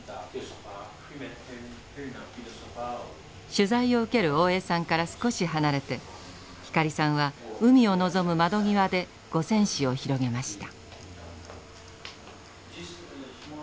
・取材を受ける大江さんから少し離れて光さんは海を望む窓際で五線紙を広げました。